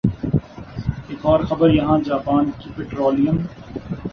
ایک اور خبر یہاں جاپان کی پٹرولیم